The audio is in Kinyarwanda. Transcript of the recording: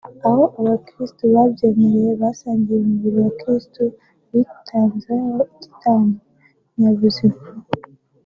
aho abakirisitu babyemerewe basangira umubiri wa Kirisitu witanzeho igitambo nyabuzima